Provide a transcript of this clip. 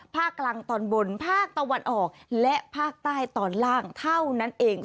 ภาคกลางตอนบนภาคตะวันออกและภาคใต้ตอนล่างเท่านั้นเอง